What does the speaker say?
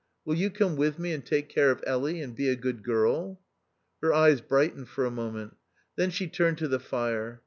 Will you come with me and take care of Elly, and be a good girl ?" Her eyes brightened for a moment. Then she turned to the fire.